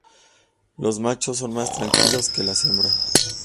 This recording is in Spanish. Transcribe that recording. Los machos son más tranquilos que las hembras.